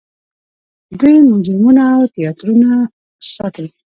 دوی موزیمونه او تیاترونه ساتي.